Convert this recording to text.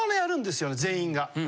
全員が。